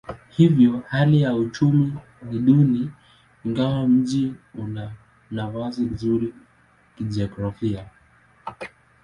Hivyo hali ya uchumi ni duni ingawa mji una nafasi nzuri kijiografia.